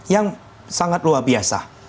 yang sangat luar biasa